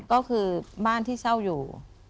ก็คือบ้านที่เช่าอยู่